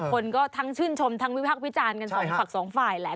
คนก็ทั้งชื่นชมทั้งวิพักษ์วิจารณ์กันสองฝั่งสองฝ่ายแหละ